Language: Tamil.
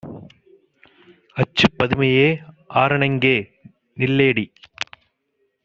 "அச்சுப் பதுமையே! ஆரணங்கே! நில்லேடி!